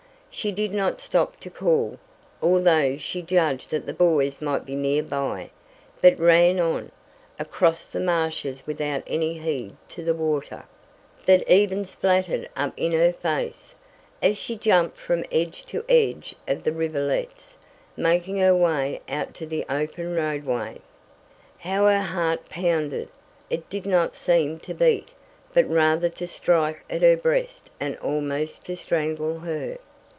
She did not stop to call, although she judged that the boys might be near by; but ran on, across the marshes without any heed to the water, that even splattered up in her face, as she jumped from edge to edge of the rivulets, making her way out to the open roadway. How her heart pounded! It did not seem to beat, but rather to strike at her breast and almost to strangle her.